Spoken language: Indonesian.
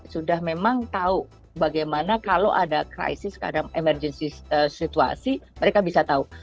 sudah memang tahu bagaimana kalau ada krisis kadang emergency situasi mereka bisa tahu